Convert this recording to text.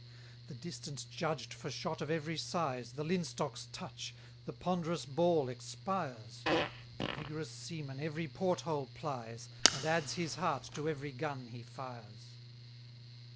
188 The distance judged for shot of every size, The linstocks touch, the ponderous ball expires: The vigorous seaman every port hole plies, And adds his heart to every gun he fires!